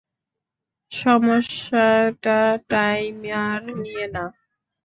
সমস্যাটা টাইমার নিয়ে না!